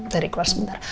dari keluar sebentar